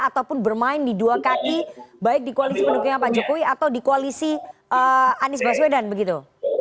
ataupun bermain di dua kaki baik di koalisi pendukungnya pak jokowi atau di koalisi anies baswedan begitu